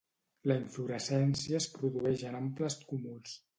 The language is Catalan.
La inflorescència es produeix en amples cúmuls.